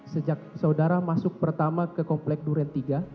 sejak saudara masuk pertama ke komplek duren tiga